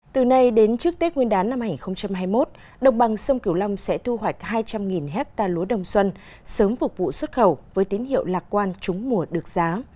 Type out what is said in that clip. từ nay đến trước tết nguyên đán năm hai nghìn hai mươi một đồng bằng sông kiểu long sẽ thu hoạch hai trăm linh hectare lúa đông xuân sớm phục vụ xuất khẩu với tín hiệu lạc quan trúng mùa được giá